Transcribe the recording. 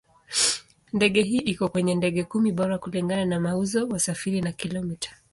Ndege hii iko kwenye ndege kumi bora kulingana na mauzo, wasafiri na kilomita.